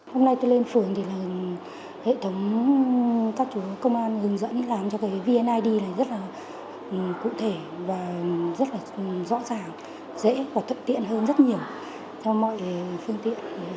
hôm nay tôi lên phường thì là hệ thống các chú công an hướng dẫn đi làm cho cái vneid này rất là cụ thể và rất là rõ ràng dễ và thậm tiện hơn rất nhiều theo mọi phương tiện